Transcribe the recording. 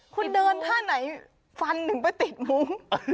คุณเดินท่าไหนฟันถึงไปติดมุ้ง